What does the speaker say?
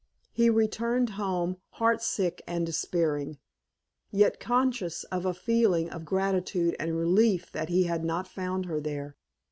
He returned home heartsick and despairing, yet conscious of a feeling of gratitude and relief that he had not found her there.